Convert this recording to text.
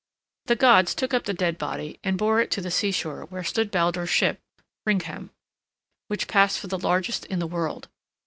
] The gods took up the dead body and bore it to the seashore where stood Baldur's ship "Hringham," which passed for the largest in the world.